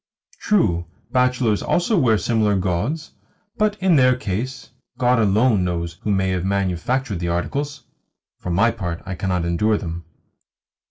True, bachelors also wear similar gauds, but, in their case, God alone knows who may have manufactured the articles! For my part, I cannot endure them.